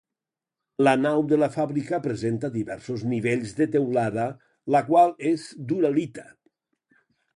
La nau de la fàbrica presenta diversos nivells de teulada, la qual és d'uralita.